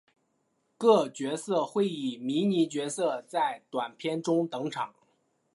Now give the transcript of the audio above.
各角色会以迷你角色在短篇中登场。